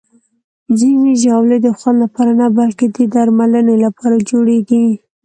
ځینې ژاولې د خوند لپاره نه، بلکې د درملنې لپاره جوړېږي.